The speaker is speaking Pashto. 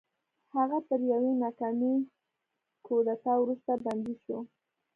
هغه تر یوې ناکامې کودتا وروسته بندي شو.